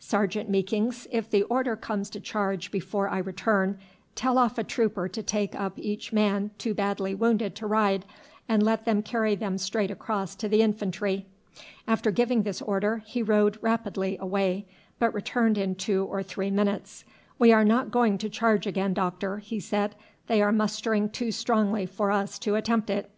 Sergeant Meekings, if the order comes to charge before I return, tell off a trooper to take up each man too badly wounded to ride, and let them carry them straight across to the infantry." After giving this order he rode rapidly away, but returned in two or three minutes. "We are not going to charge again, doctor," he said; "they are mustering too strongly for us to attempt it.